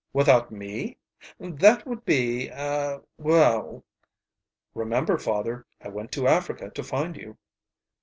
"Without me? That would be, a well " "Remember, father, I went to Africa to find you."